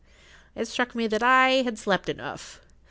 It struck me that I had slept enough.